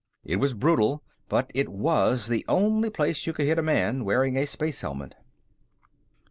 It was brutal, but it was the only place you could hit a man wearing a space helmet.